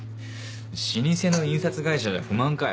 老舗の印刷会社じゃ不満かよ。